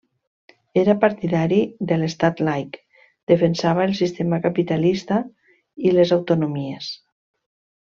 Era partidari de l'Estat laic, defensava el sistema capitalista i les autonomies.